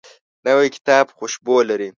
نوی کتاب خوشبو لري